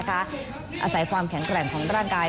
อาศัยความแข็งแกร่งของร่างกาย